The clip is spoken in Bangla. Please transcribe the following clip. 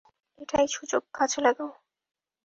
এটাই সুযোগ, কাজে লাগাও।